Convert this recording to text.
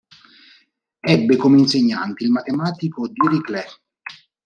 Ebbe come insegnante il matematico Dirichlet.